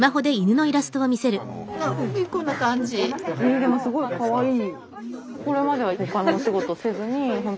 えでもすごいかわいい。